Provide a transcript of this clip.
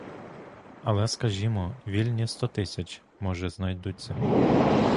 Але, скажімо, вільні сто тисяч, може, знайдуться.